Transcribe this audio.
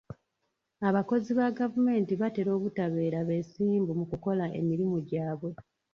Abakozi ba gavumenti batera obutabeera beesimbu mu kukola emirimu gyabwe.